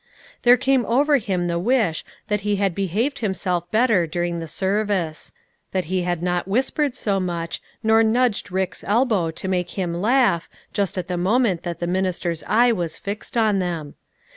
There came over him the wish that he had behaved himself better during the service. That he had not whispered so much, nor nudged Rick's elbow to make him laugh, just at the moment that the minister's eye was fixed on them.